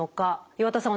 岩田さん